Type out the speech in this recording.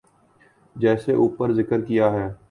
جیسے اوپر ذکر کیا ہے۔